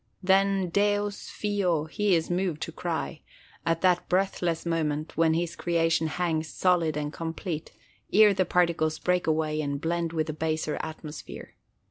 Then "deus fio" he is moved to cry, at that breathless moment when his creation hangs solid and complete, ere the particles break away and blend with the baser atmosphere.